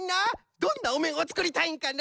どんなおめんをつくりたいんかな？